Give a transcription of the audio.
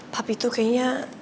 tapi tuh kayaknya